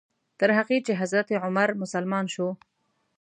تر هغې چې حضرت عمر مسلمان شو.